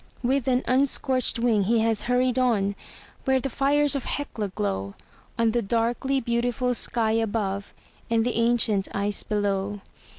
With an unscorched wing he has hurried on, where the fires of Hecla glow On the darkly beautiful sky above and the ancient ice below.